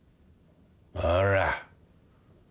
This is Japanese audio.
ほら。